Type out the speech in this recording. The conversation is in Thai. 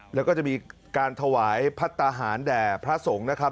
แล้วก็จะมีการถวายพัฒนาหารแด่พระสงฆ์นะครับ